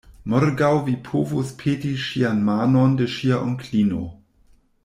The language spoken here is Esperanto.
Morgaŭ vi povos peti ŝian manon de ŝia onklino.